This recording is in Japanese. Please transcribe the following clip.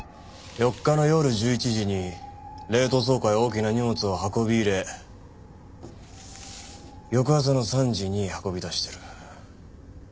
４日の夜１１時に冷凍倉庫へ大きな荷物を運び入れ翌朝の３時に運び出してる。